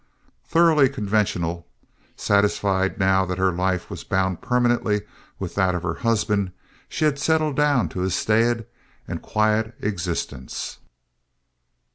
Thoroughly conventional, satisfied now that her life was bound permanently with that of her husband, she had settled down to a staid and quiet existence.